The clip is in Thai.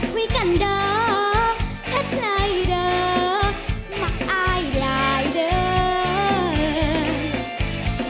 คุยกันเดิมทัดลายเดิมมักอายลายเดิม